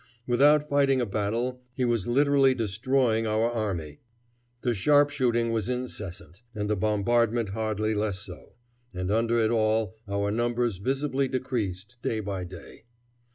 Without fighting a battle he was literally destroying our army. The sharp shooting was incessant, and the bombardment hardly less so, and under it all our numbers visibly decreased day by day.